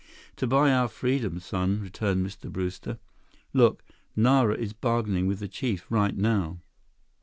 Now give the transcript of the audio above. "To buy our freedom, son," returned Mr. Brewster. "Look. Nara is bargaining with the chief right now."